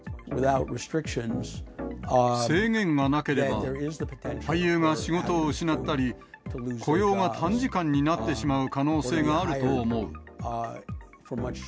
制限がなければ、俳優が仕事を失ったり、雇用が短時間になってしまう可能性があると思う。